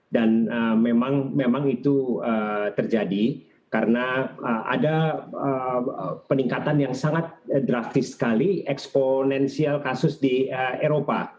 dan memang itu terjadi karena ada peningkatan yang sangat drastis sekali eksponensial kasus di eropa